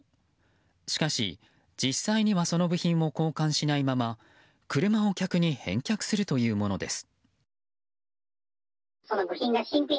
しかし、実際にはその部品も交換しないまま車を客に返却するというものです。